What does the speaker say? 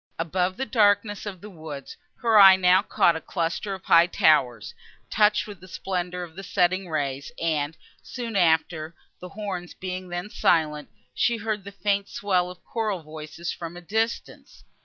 Above the darkness of the woods, her eye now caught a cluster of high towers, touched with the splendour of the setting rays; and, soon after, the horns being then silent, she heard the faint swell of choral voices from a distance.